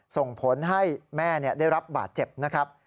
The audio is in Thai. ส่งผลให้แม่ได้รับบาดเจ็บนะครับ